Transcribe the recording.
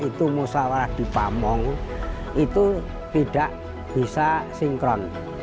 jadi itu bisa itu musawarah di pamong itu tidak bisa sinkron